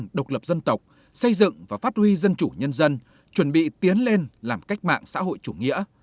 đồng lập dân tộc xây dựng và phát huy dân chủ nhân dân chuẩn bị tiến lên làm cách mạng xã hội chủ nghĩa